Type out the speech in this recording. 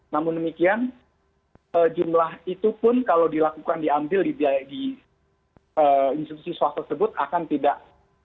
namun demikian jumlah itu pun kalau dilakukan diambil di institusi swasta tersebut akan tidak